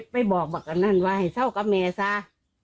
ไปบอกบอกเราก็นั่นว่าไส้เศร้าหากแม่ซะ